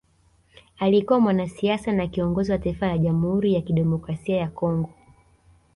Alikuwa mwanasiasa na kiongozi wa Taifa la Jamhuri ya kidemokrasia ya Kongo